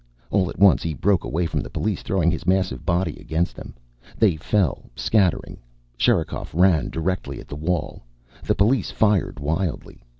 All at once he broke away from the police, throwing his massive body against them. They fell, scattering. Sherikov ran directly at the wall. The police fired wildly.